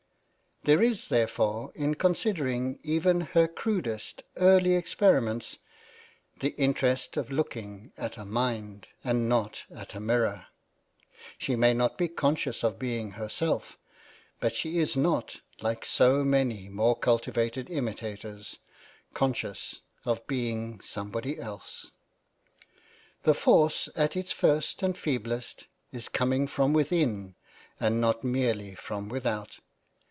t There is therefore, in considering even her crudest early experiments, the interest of looking at a mind and not at a mirror. She may not be conscious of being herself; but she is not, like so many more cultivated imitators, conscious of being somebody else. The force, at its first and feeblest, is coming from within and not merely from without.